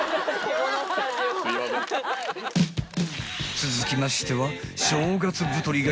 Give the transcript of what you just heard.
［続きましては］